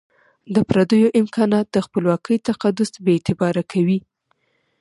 د پردیو امکانات د خپلواکۍ تقدس بي اعتباره کوي.